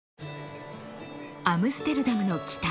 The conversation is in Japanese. アムステルダムの北